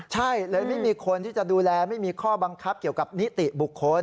ใช่เลยไม่มีคนที่จะดูแลไม่มีข้อบังคับเกี่ยวกับนิติบุคคล